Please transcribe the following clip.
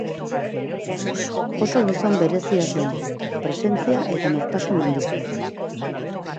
Oso gizon berezia zen, presentzia eta nortasun handikoa.